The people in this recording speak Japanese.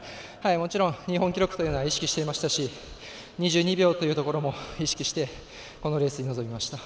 もちろん日本記録というのは意識していましたし２２秒というところも意識してこのレースに臨みました。